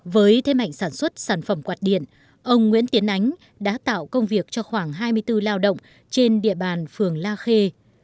với thế mạnh sản xuất sản phẩm quạt điện ông nguyễn tiến ánh đã tạo công việc cho khoảng hai mươi bốn lao động trên địa bàn phường la khê